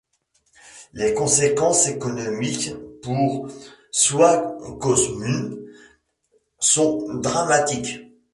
Les conséquences économiques pour Swakopmund sont dramatiques.